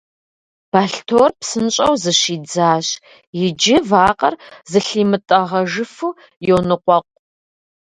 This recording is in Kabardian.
Бэлътор псынщӀэу зыщидзащ, иджы вакъэр зылъимытӀэгъэжыфу йоныкъуэкъу.